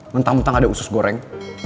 mentang mentang ada usus goreng